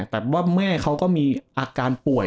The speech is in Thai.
แต่ว่าแม่เขาก็มีอาการป่วย